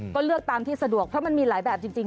ก็เลือกตามที่สะดวกเพราะมันมีหลายแบบจริง